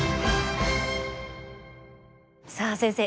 さあ先生